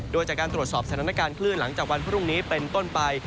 โดยจากการตรวจสอบสถานการณ์คลื่นหลังจากวันพรุ่งนี้เป็นต้นไป